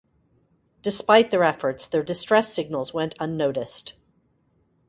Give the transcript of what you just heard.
Despite their efforts, their distress signals went unnoticed.